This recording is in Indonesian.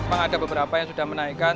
memang ada beberapa yang sudah menaikkan